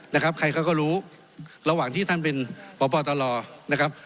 นะครับใครเขาก็รู้ระหว่างที่ท่านเป็นพบตรนะครับ